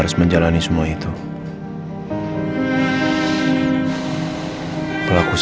udah ketawa lagi